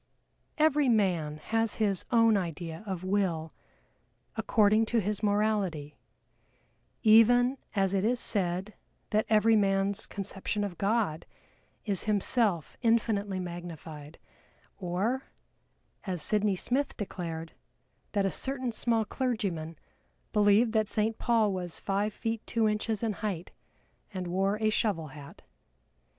Every man has his own idea of Will according to his morality even as it is said that every man's conception of God is himself infinitely magnified or, as SYDNEY SMITH declared, that a certain small clergyman believed that Saint Paul was five feet two inches in height, and wore a shovel hat.